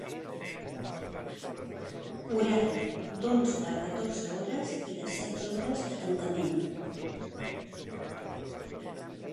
Horari: d’onze a catorze h i de setze h a tancament.